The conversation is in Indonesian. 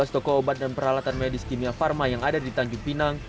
dua belas toko obat dan peralatan medis kimia pharma yang ada di tanjung pinang